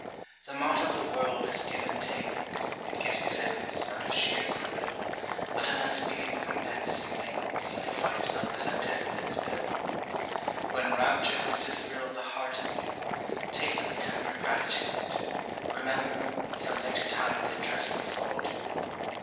The motto of the world is give and take. It gives you favors out of sheer goodwill. But unless speedy recompense you make, You'll find yourself presented with its bill. When rapture comes to thrill the heart of you, Take it with tempered gratitude. Remember, Some later time the interest will fall due.